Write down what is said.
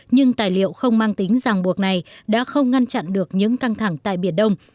nhưng tài liệu không mang tính giảng buộc này đã không ngăn chặn được những căng thẳng tại biển đông